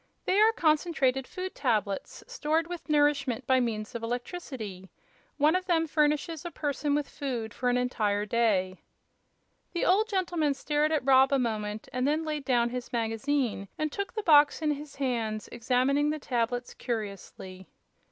"They are Concentrated Food Tablets, sorted with nourishment by means of electricity. One of them furnishes a person with food for an entire day." The old gentleman stared at Rob a moment and then laid down his magazine and took the box in his hands, examining the tablets curiously.